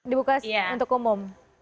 dibuka untuk umum